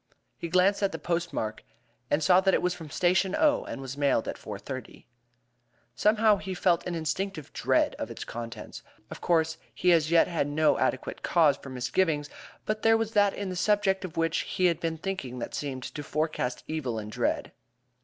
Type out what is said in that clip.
He glanced at the postmark, and saw that it was from Station O and was mailed at 4:30. Somehow, he felt an instinctive dread of its contents. Of course, he as yet had no adequate cause for misgivings; but there was that in the subject of which he had been thinking that seemed to forecast evil and dread.